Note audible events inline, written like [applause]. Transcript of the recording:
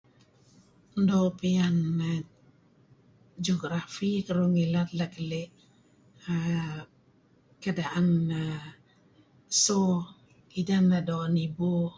Do' pian geography terun mileh teh keli um keadaan um so edan [unintelligible]